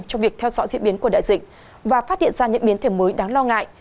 trong việc theo dõi diễn biến của đại dịch và phát hiện ra những biến thể mới đáng lo ngại